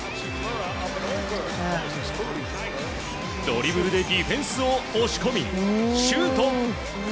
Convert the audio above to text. ドリブルでディフェンスを押し込みシュート。